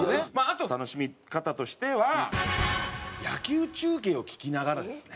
あと楽しみ方としては野球中継を聞きながらですね。